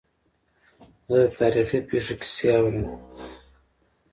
زه د تاریخي پېښو کیسې اورم.